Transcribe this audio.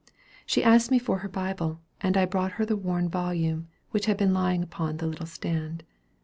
She asked me for her Bible, and I brought her the worn volume which had been lying upon the little stand.